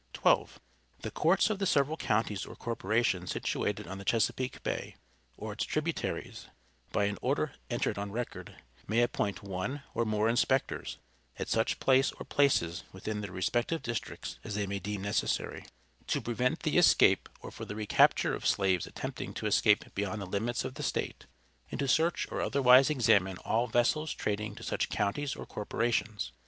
(12.) The courts of the several counties or corporations situated on the Chesapeake Bay, or its tributaries, by an order entered on record, may appoint one or more inspectors, at such place or places within their respective districts as they may deem necessary, to prevent the escape or for the recapture of slaves attempting to escape beyond the limits of the state, and to search or otherwise examine all vessels trading to such counties or corporations.